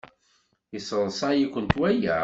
Yesseḍsay-ikent waya?